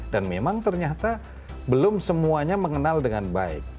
dan memang ternyata belum semuanya mengenal dengan baik